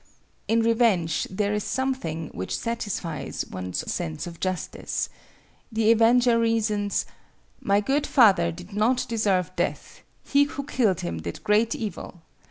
In revenge there is something which satisfies one's sense of justice. The avenger reasons:—"My good father did not deserve death. He who killed him did great evil.